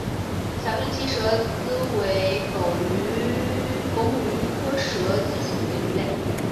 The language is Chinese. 小胸鳍蛇鲻为狗母鱼科蛇鲻属的鱼类。